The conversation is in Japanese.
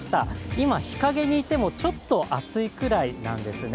今、日陰にいてもちょっと暑いくらいなんですね。